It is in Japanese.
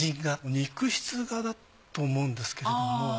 肉筆画だと思うんですけれども。